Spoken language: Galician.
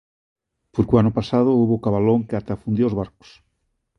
Porque o ano pasado houbo cabalón que ata afundía os barcos.